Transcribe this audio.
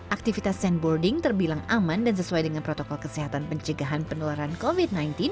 aktivitas sandboarding terbilang aman dan sesuai dengan protokol kesehatan pencegahan penularan covid sembilan belas